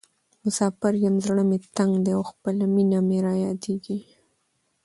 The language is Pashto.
مسافر یم زړه مې تنګ ده او خپله مینه مې رایادیزې.